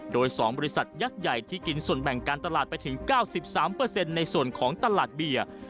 โดย๒บริษัทยักษ์ใหญ่ที่กินส่วนแบ่งการตลาดไปถึง๙๓ในส่วนของตลาดเบียร์